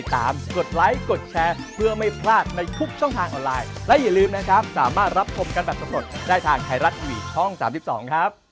แต่วันนี้ไปก่อนค่ะ